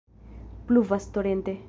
Pluvas torente.